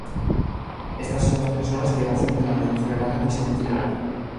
Estas son las personas que gozan de la mencionada distinción.